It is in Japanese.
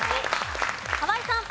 河井さん。